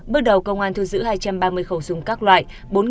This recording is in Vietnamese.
bước đầu công an thu giữ hai trăm ba mươi khẩu súng các loại